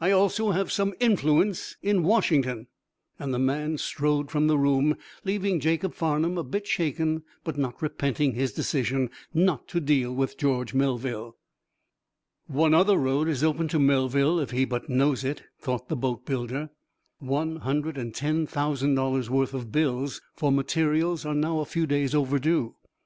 I also have some influence in Washington," and the man strode from the room, leaving Jacob Farnum a bit shaken but not repenting his decision not to deal with George Melville. "One other road is open to Melville if he but knows it," thought the boatbuilder. "One hundred and ten thousand dollars' worth of bills for materials are now a few days overdue.